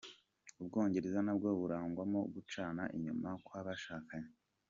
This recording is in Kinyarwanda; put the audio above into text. U Bwongereza nabwo burangwamo gucana inyuma kw’abashakanye.